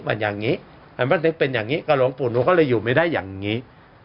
มันอย่างนี้มันไม่ได้เป็นอย่างนี้กับหลวงปู่หนูก็เลยอยู่ไม่ได้อย่างนี้